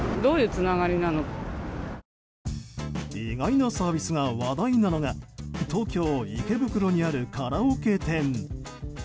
意外なサービスが話題なのが東京・池袋にあるカラオケ店。